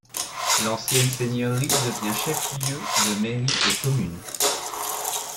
L'ancienne seigneurie devient chef-lieu de mairie et commune.